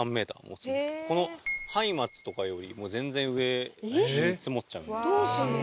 このハイマツとかよりも全然上に積もっちゃう。